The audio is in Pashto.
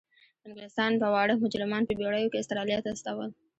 انګلستان به واړه مجرمان په بیړیو کې استرالیا ته استول.